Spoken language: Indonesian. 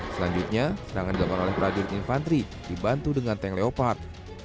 selanjutnya serangan dilakukan oleh prajurit infantri dibantu dengan tank leopard